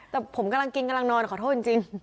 แต่ผมกำลังกินกำลังนอนขอโทษจริง